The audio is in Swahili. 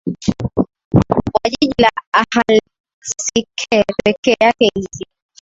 wa jiji la Akhaltsikhe peke yake ilizidi